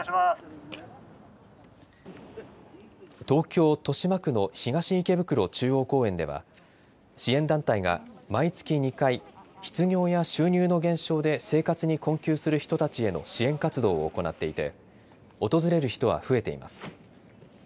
東京・豊島区の東池袋中央公園では支援団体が毎月２回失業や収入の減少で生活に困窮する人たちへの支援活動を行っていて訪れる人は増えています。